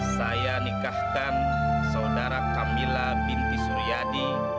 saya nikahkan saudara camilla binti suryadi